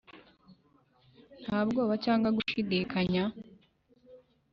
nta bwoba cyangwa gushidikanya?